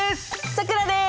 さくらです！